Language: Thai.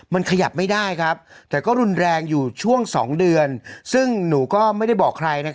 มันขยับไม่ได้ครับแต่ก็รุนแรงอยู่ช่วง๒เดือนซึ่งหนูก็ไม่ได้บอกใคร